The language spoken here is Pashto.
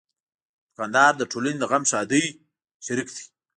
دوکاندار د ټولنې د غم ښادۍ شریک دی.